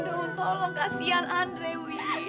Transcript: dewi tolong kasian andrei wifi